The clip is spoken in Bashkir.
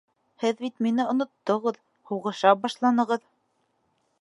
Һеҙ бит мине оноттоғоҙ, һуғыша башланығыҙ.